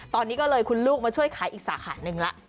ตอนนี้ก็เลยคุณลูกช่วยขายอีกสาขานึงนะ